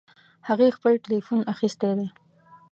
هغې خپل ټیلیفون اخیستی ده